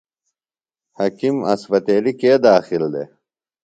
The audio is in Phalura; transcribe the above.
حکیم اسپتیلیۡ کے داخل دےۡ؟